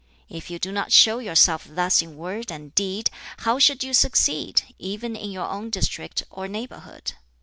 If you do not show yourself thus in word and deed how should you succeed, even in your own district or neighborhood?